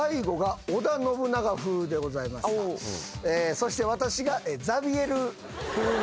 そして私が。